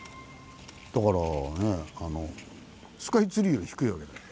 だからスカイツリーより低いわけだよ。